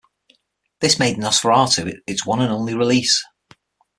This made "Nosferatu" its one and only release.